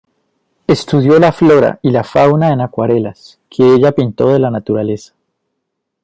Estudió la flora y la fauna en acuarelas, que ella pintó de la naturaleza.